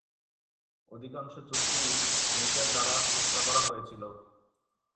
অধিকাংশ চুক্তিই স্মিথের দ্বারা খসড়া করা হয়েছিল।